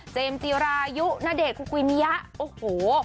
เจมส์จีรายุณเดชน์คุควิมิยะโอ้โห